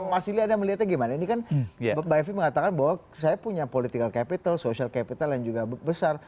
mas ili anda melihatnya gimana ini kan mbak evi mengatakan bahwa saya punya political capital social capital yang juga besar